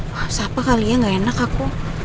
wah siapa kali ya gak enak aku